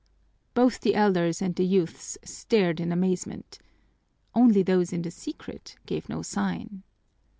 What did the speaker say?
Both the elders and the youths stared in amazement. Only those in the secret gave no sign.